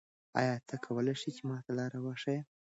آیا ته کولای ېې ما ته لاره وښیې؟